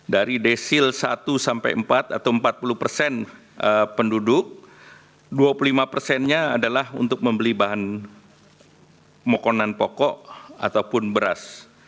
dari desil satu sampai empat atau empat puluh persen penduduk dua puluh lima persennya adalah untuk membeli bahan makanan pokok ataupun beras